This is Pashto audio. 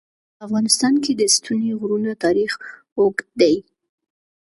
په افغانستان کې د ستوني غرونه تاریخ اوږد دی.